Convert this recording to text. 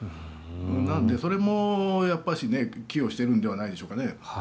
なので、それも寄与しているんじゃないでしょうかね。